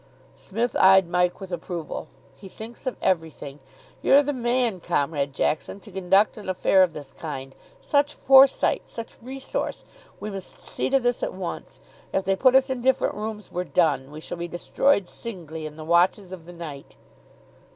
Psmith eyed Mike with approval. "He thinks of everything! You're the man, Comrade Jackson, to conduct an affair of this kind such foresight! such resource! We must see to this at once; if they put us in different rooms we're done we shall be destroyed singly in the watches of the night."